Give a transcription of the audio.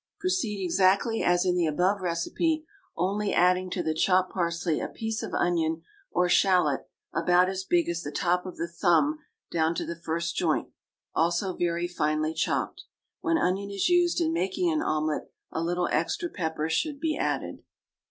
Proceed exactly as in the above recipe, only adding to the chopped parsley a piece of onion or shallot about as big as the top of the thumb down to the first joint, also very finely chopped. When onion is used in making an omelet a little extra pepper should be added.